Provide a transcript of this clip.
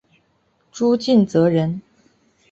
朱敬则人。